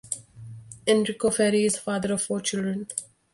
Enrico Ferri is the father of four children.